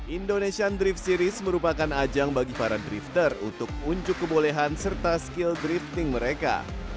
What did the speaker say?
indonesian drift series merupakan ajang bagi para drifter untuk unjuk kebolehan serta skill drifting mereka